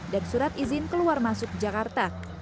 dan surat izin keluar masuk jakarta